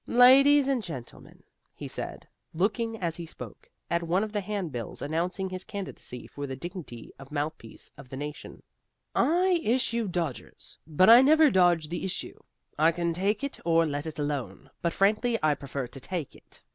"Ladies and gentlemen," he said (looking as he spoke at one of the handbills announcing his candidacy for the dignity of mouthpiece of the nation) "I issue dodgers, but I never dodge the issue. I can Take It or Let It Alone, but frankly, I prefer to Take It.